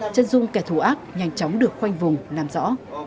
chân dung kẻ thù ác nhanh chóng được khoanh vùng làm rõ